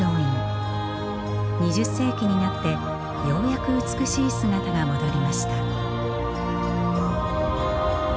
２０世紀になってようやく美しい姿が戻りました。